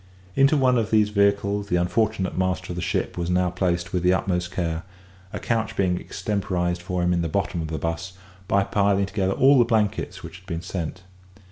Into one of these vehicles the unfortunate master of the ship was now placed with the utmost care, a couch being extemporised for him in the bottom of the 'bus by piling together all the blankets which had been sent.